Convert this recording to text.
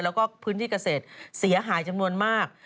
แล้วก็พื้นที่เกษตรเสียหายจำนวนมาก